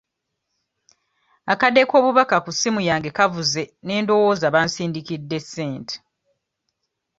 Akade k'obubaka ku ssimu yange kavuze ne ndowooza bansindikidde ssente.